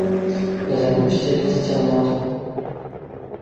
На зямлю сцелецца цямнота.